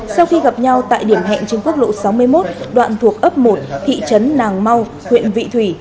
sau khi gặp nhau tại điểm hẹn trên quốc lộ sáu mươi một đoạn thuộc ấp một thị trấn nàng mau huyện vị thủy